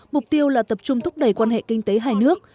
mục tiêu là tập trung thúc đẩy quan hệ kinh tế hai nước